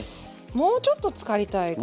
もうちょっとつかりたいかな。